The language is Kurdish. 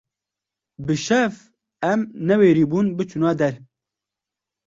bi şev em newêribûn biçûna der